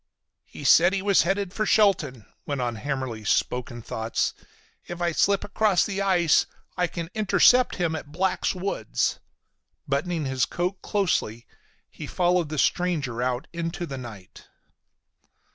"He said he was headed for Shelton," went on Hammersly's spoken thoughts. "If I slip across the ice I can intercept him at Black's woods." Buttoning his coat closely, he followed the stranger out into the night.